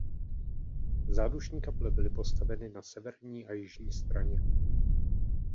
Zádušní kaple byly postaveny na severní a jižní straně.